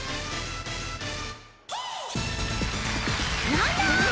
なんだ？